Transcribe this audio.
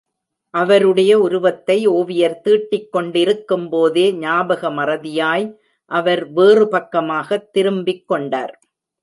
அவருடைய உருவத்தை ஒவியர் தீட்டிக் கொண்டிருக்கும் போதே ஞாபக மறதியாய் அவர் வேறு பக்கமாகத் திரும்பிக் கொண்டார்.